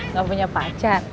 gak punya pacar